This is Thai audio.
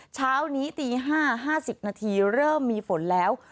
เช้านี้ตีห้าห้าสิบนาทีเริ่มมีฝนแล้ว